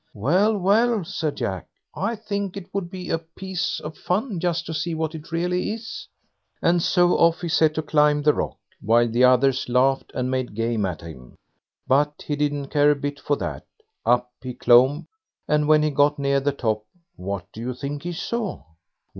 "Well, well", said Jack, "I think it would be a piece of fun just to see what it really is." And so off he set to climb the rock, while the others laughed and made game of him. But he didn't care a bit for that; up he clomb, and when he got near the top, what do you think he saw?